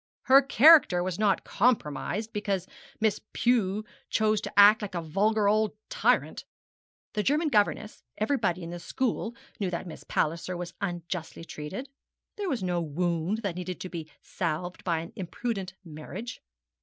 'Her character was not compromised, because Miss Pew chose to act like a vulgar old tyrant. The German governess, everybody in the school, knew that Miss Palliser was unjustly treated. There was no wound that needed to be salved by an imprudent marriage.